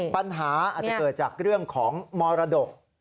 ปัญหาอาจจะเกิดจากเรื่องของมรดก